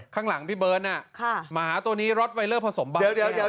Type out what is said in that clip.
ข้างหลังพี่เบิ้ลนะหมาตัวนี้รอสไวเลอร์ผสมบางแก้ว